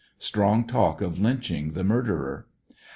Strong talk of lynching the murderer.